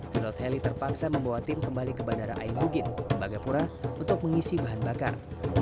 pilot heli terpaksa membawa tim kembali ke bandara ainugin tembagapura untuk mengisi bahan bakar